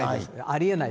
ありえない。